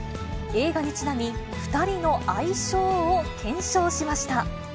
映画にちなみ、２人の相性を検証しました。